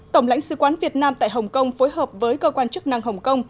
tổng lãnh sự quán việt nam tại hồng kông phối hợp với cơ quan chức năng hồng kông